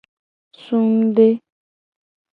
Sungde.